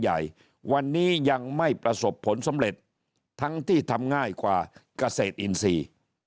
ใหญ่วันนี้ยังไม่ประสบผลสำเร็จทั้งที่ทำง่ายกว่าเกษตรอินทรีย์